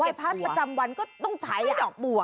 พระประจำวันก็ต้องใช้ดอกบัว